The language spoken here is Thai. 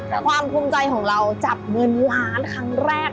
ความภูมิใจของเราจับเงินล้านครั้งแรก